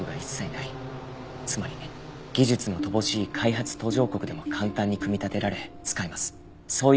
つまり技術の乏しい開発途上国でも簡単に組み立てられ使えます。